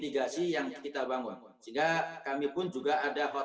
kemudian ada teman terpapar restless atau bahkan membutuhkan bantuan